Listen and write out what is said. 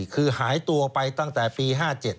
คือหายตัวไปตั้งแต่ปี๕๗